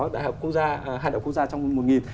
đại học quốc gia hạ đạo quốc gia trong mùa nghìn